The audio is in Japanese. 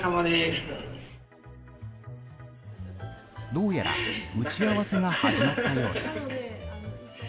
どうやら、打ち合わせが始まったようです。